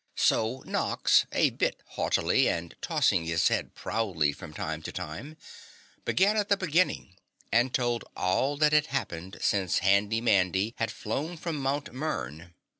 So Nox, a bit haughtily and tossing his head proudly from time to time, began at the beginning and told all that had happened since Handy Mandy had flown from Mt. Mern.